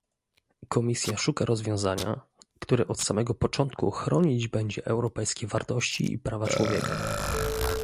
Komisja szuka rozwiązania, które od samego początku chronić będzie europejskie wartości i prawa człowieka